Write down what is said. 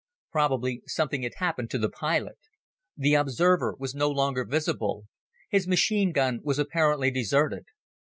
Probably something had happened to the pilot. The observer was no longer visible. His machine gun was apparently deserted.